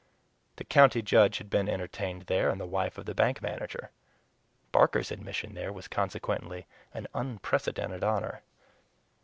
The county judge had been entertained there, and the wife of the bank manager. Barker's admission there was consequently an unprecedented honor.